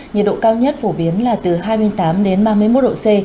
nhiệt độ cao nhất phổ biến là từ hai mươi tám đến ba mươi một độ c